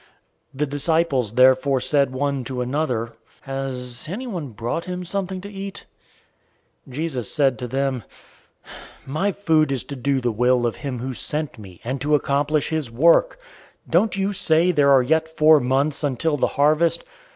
004:033 The disciples therefore said one to another, "Has anyone brought him something to eat?" 004:034 Jesus said to them, "My food is to do the will of him who sent me, and to accomplish his work. 004:035 Don't you say, 'There are yet four months until the harvest?'